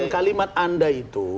kalau kalimat anda itu